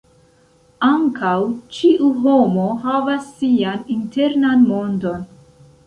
Ankaŭ ĉiu homo havas sian internan mondon.